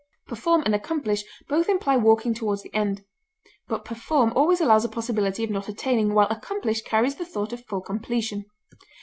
Perform and accomplish both imply working toward the end; but perform always allows a possibility of not attaining, while accomplish carries the thought of full completion.